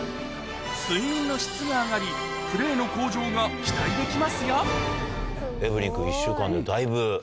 睡眠の質が上がりプレーの向上が期待できますよ